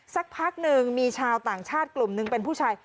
สักพักหนึ่งมีชาวต่างชาติกลุ่มหนึ่งเป็นผู้ชาย